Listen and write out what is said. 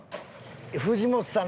藤本さん